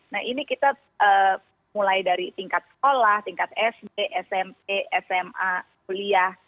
nah ini kita mulai dari tingkat sekolah tingkat sd smp sma kuliah